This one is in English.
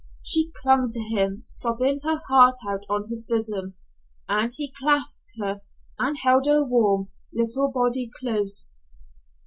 She clung to him, sobbing her heart out on his bosom, and he clasped her and held her warm little body close.